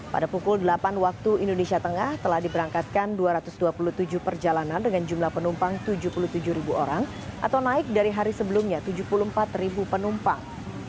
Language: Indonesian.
pada pukul delapan waktu indonesia tengah telah diberangkatkan dua ratus dua puluh tujuh perjalanan dengan jumlah penumpang tujuh puluh tujuh ribu orang atau naik dari hari sebelumnya tujuh puluh empat penumpang